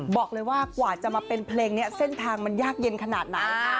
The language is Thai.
บอกเลยว่ากว่าจะมาเป็นเพลงนี้เส้นทางมันยากเย็นขนาดไหน